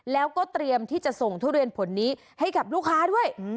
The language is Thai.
แล้วก็เตรียมที่จะส่งทุเรียนผลนี้ให้กับลูกค้าด้วย